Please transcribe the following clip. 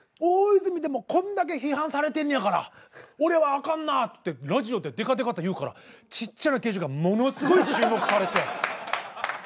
大泉でもこんだけ批判されてんねやから俺はあかんなぁ」ってラジオででかでかと言うからちっちゃな記事がものすごい注目されて。